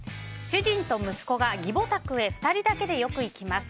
主人と息子が義母宅へ２人だけでよく行きます。